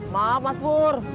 maaf mas pur